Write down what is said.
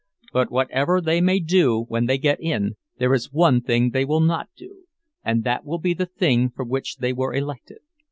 But whatever they may do when they get in, there is one thing they will not do, and that will be the thing for which they were elected!